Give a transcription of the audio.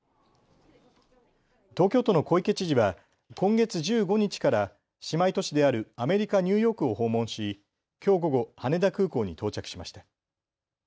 東京都の小池知事は今月１５日から姉妹都市であるアメリカ・ニューヨークを訪問しきょう午後羽田空港に到着しました。